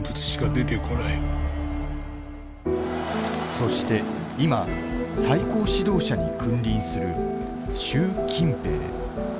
そして今最高指導者に君臨する習近平。